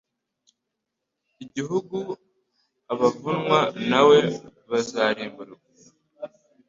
igihugu Abavunwa na we bazarimburwa